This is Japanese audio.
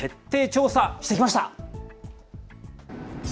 その秘密を徹底調査してきました。